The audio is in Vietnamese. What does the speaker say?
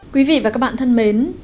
quý vị và các bạn thân mến